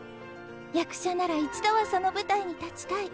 役者なら一度はその舞台に立ちたい。